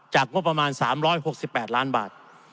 งบประมาณ๓๖๘ล้านบาท